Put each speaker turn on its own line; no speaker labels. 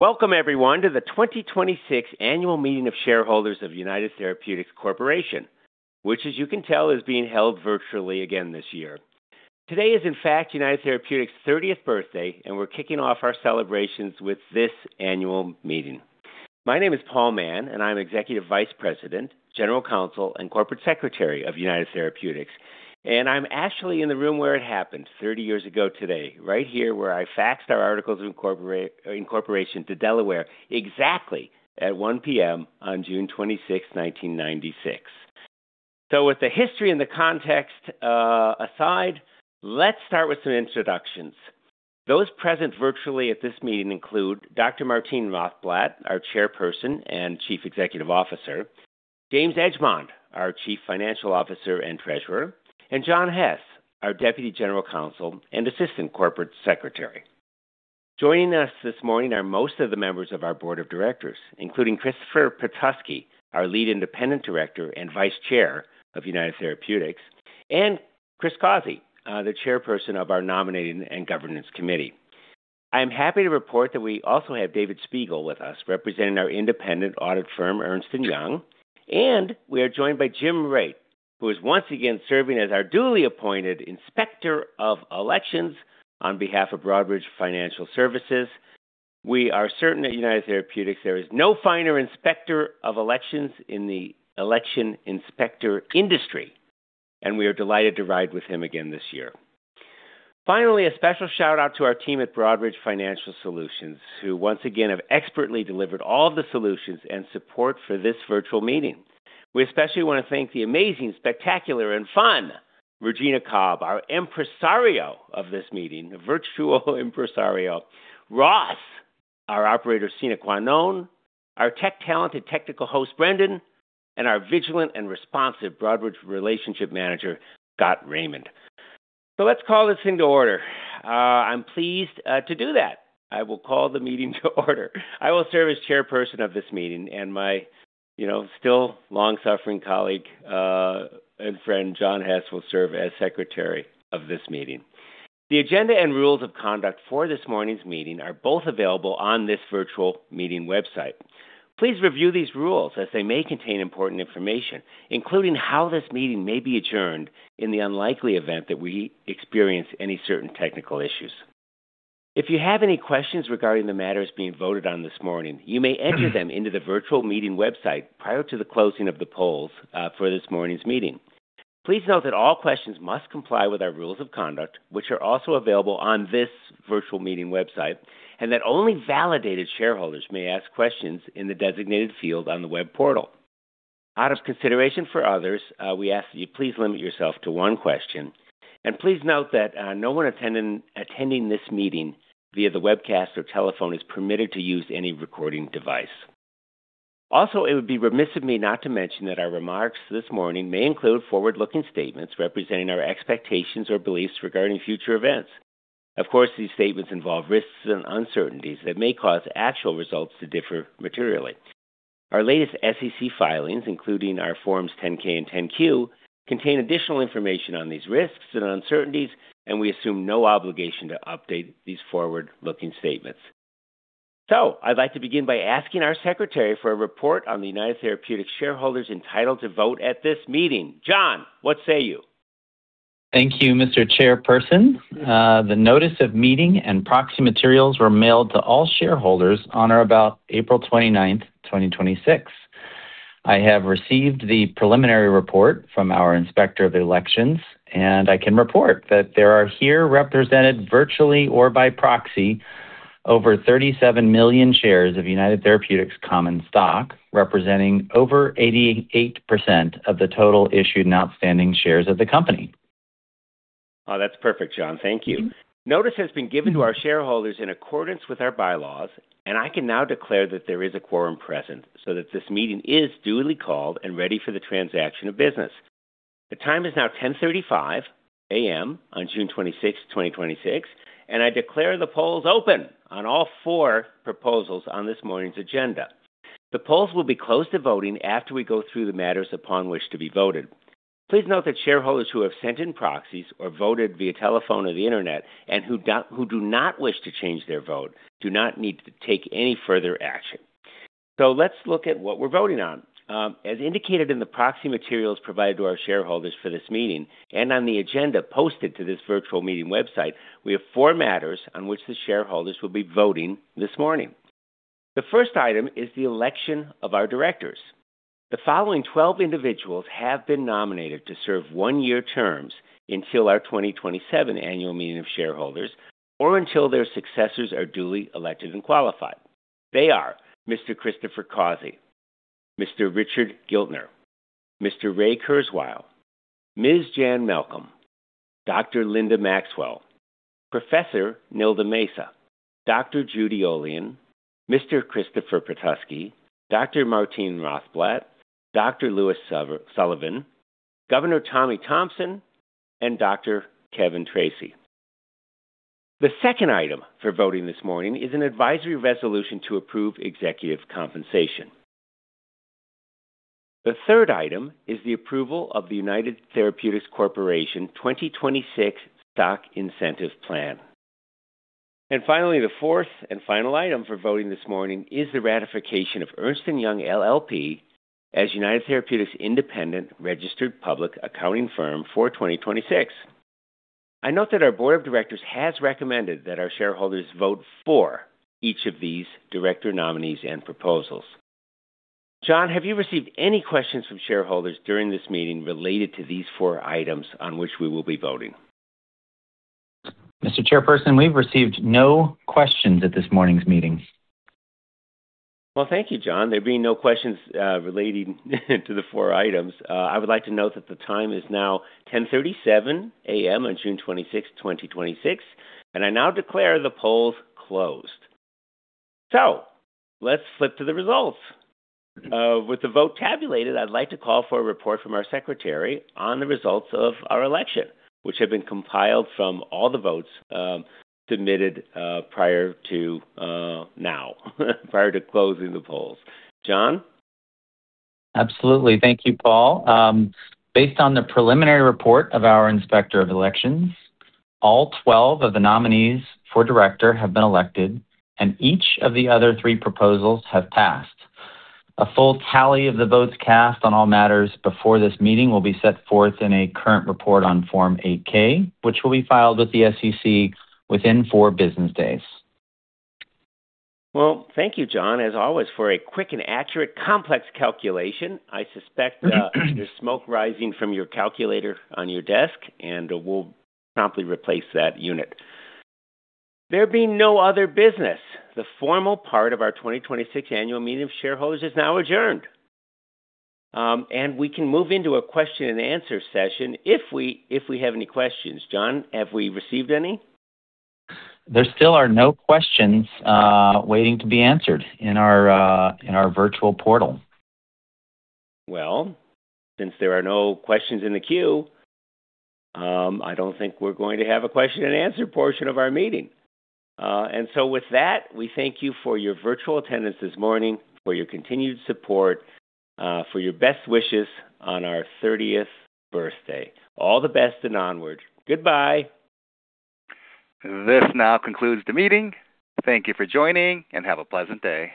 Welcome everyone to the 2026 Annual Meeting of Shareholders of United Therapeutics Corporation, which as you can tell, is being held virtually again this year. Today is in fact, United Therapeutics' 30th birthday, and we're kicking off our celebrations with this annual meeting. My name is Paul A. Mahon, and I'm Executive Vice President, General Counsel, and Corporate Secretary of United Therapeutics. I'm actually in the room where it happened 30 years ago today, right here, where I faxed our articles of incorporation to Delaware exactly at 1:00 P.M. on June 26, 1996. With the history and the context aside, let's start with some introductions. Those present virtually at this meeting include Dr. Martine Rothblatt, our Chairperson and Chief Executive Officer, James Edgemond, our Chief Financial Officer and Treasurer, and John Hess, our Deputy General Counsel and Assistant Corporate Secretary. Joining us this morning are most of the members of our Board of Directors, including Christopher Patusky, our Lead Independent Director and Vice Chair of United Therapeutics, and Chris Causey, the Chairperson of our Nominating and Governance Committee. I am happy to report that we also have David Spiegel with us representing our independent audit firm, Ernst & Young, and we are joined by Jim Rate, who is once again serving as our duly appointed Inspector of Elections on behalf of Broadridge Financial Solutions. We are certain at United Therapeutics, there is no finer Inspector of Elections in the election inspector industry, and we are delighted to ride with him again this year. Finally, a special shout-out to our team at Broadridge Financial Solutions, who once again have expertly delivered all the solutions and support for this virtual meeting. We especially want to thank the amazing, spectacular, and fun Regina Cobb, our impresario of this meeting, the virtual impresario. Ross, our operator, Sina Kwanon, our tech-talented technical host, Brendan, and our vigilant and responsive Broadridge Relationship Manager, Scott Raymond. Let's call this thing to order. I'm pleased to do that. I will call the meeting to order. I will serve as Chairperson of this meeting and my still long-suffering colleague and friend, John Hess, will serve as Secretary of this meeting. The agenda and rules of conduct for this morning's meeting are both available on this virtual meeting website. Please review these rules as they may contain important information, including how this meeting may be adjourned in the unlikely event that we experience any certain technical issues. If you have any questions regarding the matters being voted on this morning, you may enter them into the virtual meeting website prior to the closing of the polls for this morning's meeting. Please note that all questions must comply with our rules of conduct, which are also available on this virtual meeting website, and that only validated shareholders may ask questions in the designated field on the web portal. Out of consideration for others, we ask that you please limit yourself to one question, and please note that no one attending this meeting via the webcast or telephone is permitted to use any recording device. Also, it would be remiss of me not to mention that our remarks this morning may include forward-looking statements representing our expectations or beliefs regarding future events. Of course, these statements involve risks and uncertainties that may cause actual results to differ materially. Our latest SEC filings, including our Forms 10-K and 10-Q, contain additional information on these risks and uncertainties, and we assume no obligation to update these forward-looking statements. I'd like to begin by asking our Secretary for a report on the United Therapeutics shareholders entitled to vote at this meeting. John, what say you?
Thank you, Mr. Chairperson. The notice of meeting and proxy materials were mailed to all shareholders on or about April 29th, 2026. I have received the preliminary report from our Inspector of Elections, I can report that there are here represented virtually or by proxy over 37 million shares of United Therapeutics common stock, representing over 88% of the total issued and outstanding shares of the company.
Oh, that's perfect, John. Thank you. Notice has been given to our shareholders in accordance with our bylaws, I can now declare that there is a quorum present that this meeting is duly called and ready for the transaction of business. The time is now 10:35 A.M. on June 26th, 2026, I declare the polls open on all four proposals on this morning's agenda. The polls will be closed to voting after we go through the matters upon which to be voted. Please note that shareholders who have sent in proxies or voted via telephone or the internet and who do not wish to change their vote, do not need to take any further action. Let's look at what we're voting on. As indicated in the proxy materials provided to our shareholders for this meeting and on the agenda posted to this virtual meeting website, we have four matters on which the shareholders will be voting this morning. The first item is the election of our directors. The following 12 individuals have been nominated to serve one-year terms until our 2027 Annual Meeting of Shareholders, or until their successors are duly elected and qualified. They are Mr. Christopher Causey, Mr. Richard Giltner, Mr. Ray Kurzweil, Ms. Jan Malcolm, Dr. Linda Maxwell, Professor Nilda Mesa, Dr. Judy Olian, Mr. Christopher Patusky, Dr. Martine Rothblatt, Dr. Louis Sullivan, Governor Tommy Thompson, and Dr. Kevin Tracey. The second item for voting this morning is an advisory resolution to approve executive compensation. The third item is the approval of the United Therapeutics Corporation 2026 Stock Incentive Plan. Finally, the fourth and final item for voting this morning is the ratification of Ernst & Young LLP as United Therapeutics' independent registered public accounting firm for 2026. I note that our board of directors has recommended that our shareholders vote for each of these director nominees and proposals. John, have you received any questions from shareholders during this meeting related to these four items on which we will be voting?
Mr. Chairperson, we've received no questions at this morning's meeting.
Well, thank you, John. There being no questions relating to the four items, I would like to note that the time is now 10:37 A.M. on June 26th, 2026, and I now declare the polls closed. Let's flip to the results. With the vote tabulated, I'd like to call for a report from our Secretary on the results of our election, which have been compiled from all the votes submitted prior to now, prior to closing the polls. John?
Absolutely. Thank you, Paul. Based on the preliminary report of our Inspector of Elections, all 12 of the nominees for director have been elected, and each of the other three proposals have passed. A full tally of the votes cast on all matters before this meeting will be set forth in a current report on Form 8-K, which will be filed with the SEC within four business days.
Thank you, John, as always, for a quick and accurate, complex calculation. I suspect there's smoke rising from your calculator on your desk, and we'll promptly replace that unit. There being no other business, the formal part of our 2026 Annual Meeting of Shareholders is now adjourned. We can move into a question and answer session if we have any questions. John, have we received any?
There still are no questions waiting to be answered in our virtual portal.
Since there are no questions in the queue, I don't think we're going to have a question and answer portion of our meeting. With that, we thank you for your virtual attendance this morning, for your continued support, for your best wishes on our 30th birthday. All the best, onwards. Goodbye.
This now concludes the meeting. Thank you for joining, have a pleasant day.